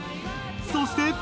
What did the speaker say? そして。